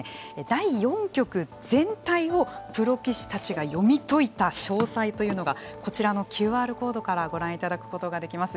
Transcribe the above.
第４局全体をプロ棋士たちが読み解いた詳細というのがこちらのＱＲコードからご覧いただくことができます。